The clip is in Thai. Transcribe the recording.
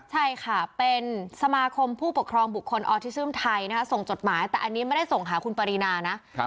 ใช่ค่ะเป็นสมาคมผู้ปกครองบุคคลออทิซึมไทยนะคะส่งจดหมายแต่อันนี้ไม่ได้ส่งหาคุณปรินานะ